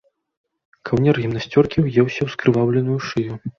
Каўнер гімнасцёркі ўеўся ў скрываўленую шыю.